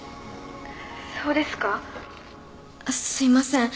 「そうですか？」すみません。